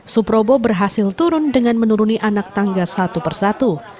suprobo berhasil turun dengan menuruni anak tangga satu persatu